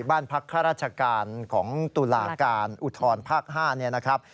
บ้านพระราชการของตุลาการอุทรภาค๕